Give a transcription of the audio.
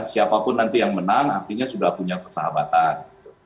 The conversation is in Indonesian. siapapun nanti yang menang artinya sudah punya persahabatan